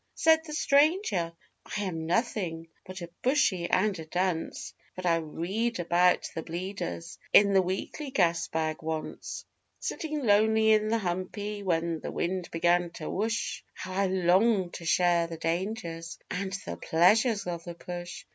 Said the stranger: 'I am nothing but a bushy and a dunce; But I read about the Bleeders in the WEEKLY GASBAG once: Sitting lonely in the humpy when the wind began to "whoosh," How I longed to share the dangers and the pleasures of the push!